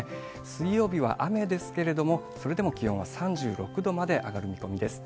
水曜日は雨ですけれども、それでも気温は３６度まで上がる見込みです。